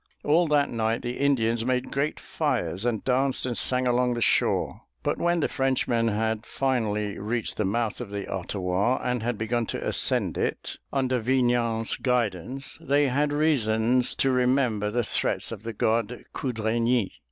All that night the Indians made great fires and danced and sang along the shore. But when the Frenchmen had finally reached the mouth of the Ottawa and had begun to ascend it, under Vignan's guidance, they had reasons to remember the threats of the god Cudraigny.